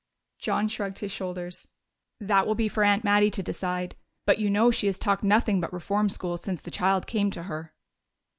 John shrugged his shoulders. "That will be for Aunt Mattie to decide. But you know she has talked nothing but reform school since the child came to her."